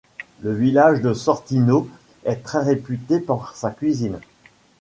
Le village de Sortino est très réputé pour sa cuisine.